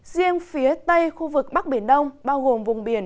riêng phía tây khu vực bắc biển đông bao gồm vùng biển